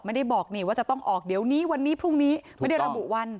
ไม่ได้บอกนี่ว่าจะต้องออกเดี๋ยวนี้วันนี้พรุ่งนี้ไม่ได้ระบุวัน